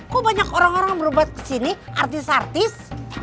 kok banyak orang orang berobat kesini artis artis